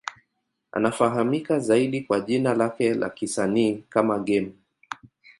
Anafahamika zaidi kwa jina lake la kisanii kama Game.